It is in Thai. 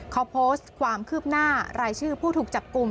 เขาโพสต์ความคืบหน้ารายชื่อผู้ถูกจับกลุ่ม